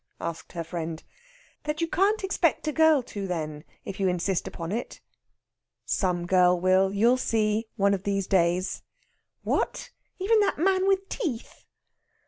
asked her friend. "That you can't expect a girl to then, if you insist upon it." "Some girl will, you'll see, one of these days." "What! even that man with teeth!"